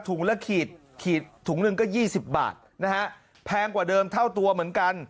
ละขีดขีดถุงหนึ่งก็๒๐บาทนะฮะแพงกว่าเดิมเท่าตัวเหมือนกัน